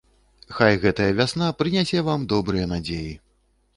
Хай гэтая вясна прынясе вам добрыя надзеі.